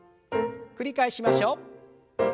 繰り返しましょう。